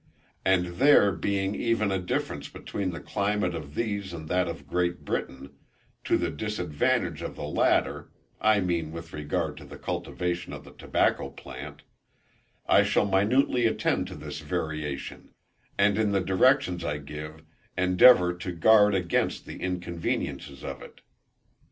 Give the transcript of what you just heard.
And there being even a difference between the climate of these and that of Great Britain, to the disadvantage of the latter (I mean with regard to the cultivation of the tobacco plant) I shall minutely attend to this variation, and in the directions I give endeavour to guard against the inconveniences of it.